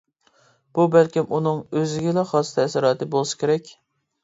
بۇ بەلكىم ئۇنىڭ ئۆزىگىلا خاس تەسىراتى بولسا كېرەك.